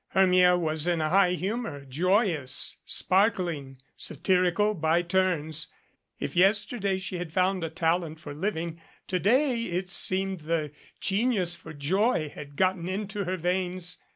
Hermia was in a high humor joyous, sparkling, satirical by turns. If yester day she had found a talent for living, to day it seemed the genius for joy had gotten into her veins.